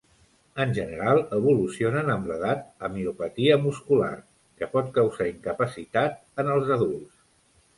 En general evolucionen amb l'edat a miopatia muscular, que pot causar incapacitat en els adults.